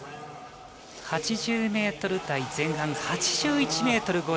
８０ｍ台前半、８１ｍ５０。